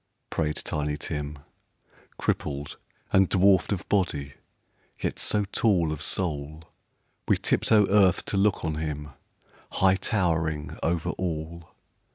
" prayed Tiny Tim, Crippled, and dwarfed of body, yet so tall Of soul, we tiptoe earth to look on him, High towering over all.